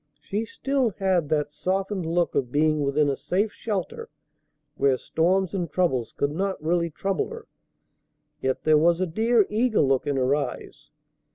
She still had that softened look of being within a safe shelter where storms and troubles could not really trouble her; yet there was a dear, eager look in her eyes.